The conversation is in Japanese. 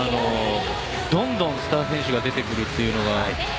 どんどんスター選手が出てくるというのが。